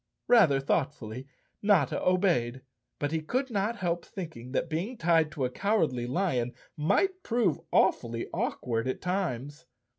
Rather thoughtfully Notta obeyed, but he could not help thinking that being tied to a Cowardly Lion might prove awfully awkward at times.